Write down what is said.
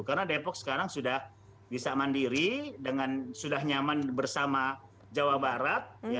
karena depok sekarang sudah bisa mandiri sudah nyaman bersama jawa barat